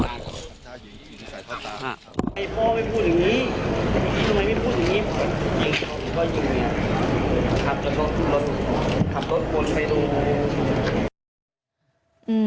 ครับรถมือไปดู